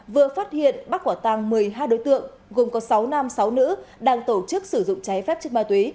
vừa phát hiện bắt quả tàng một mươi hai đối tượng gồm có sáu nam sáu nữ đang tổ chức sử dụng cháy phép chất ma túy